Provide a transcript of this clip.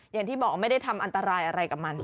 อย่างที่บอกไม่ได้ทำอันตรายอะไรกับมัน